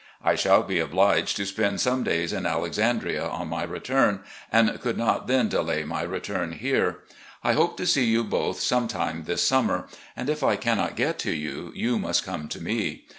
I shall be obliged to spend some days in Alexandria on my return, and could not then delay, my return here. I hope to see you both some LEE'S LETTERS TO HIS SONS 345 time this summer, and, if I cannot get to you, you must come to me.